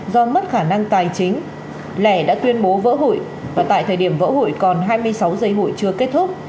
do mất khả năng tài chính lẻ đã tuyên bố vỡ hụi và tại thời điểm vỡ hụi còn hai mươi sáu giây hụi chưa kết thúc